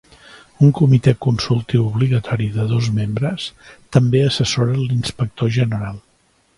Un comitè consultiu obligatori de dos membres també assessora l'inspector general.